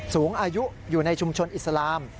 สูงอายุอยู่ในชุมชนอิสลาม